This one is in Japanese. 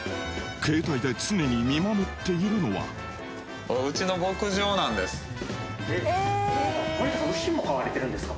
携帯で常に見守っているのは森田さん牛も飼われてるんですか？